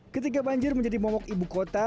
ketika banjir menjadi momok ibu kota